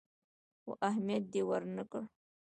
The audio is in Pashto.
خو اهميت دې ورنه کړ.